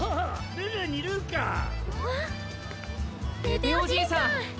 ペペおじいさん！